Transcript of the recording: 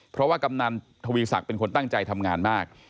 เพราะว่ากำนันทวีศักดิ์เป็นคนตั้งใจทำงานมาก